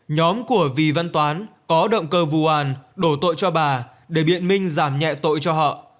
nhóm của vì văn toán có động cơ vụ án đổ tội cho bà để biện minh giảm nhẹ tội cho họ